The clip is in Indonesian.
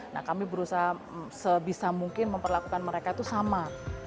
nah kami berusaha sebisa mungkin memperlakukan mereka itu sama